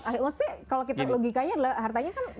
maksudnya kalau kita logikanya adalah hartanya kan banyak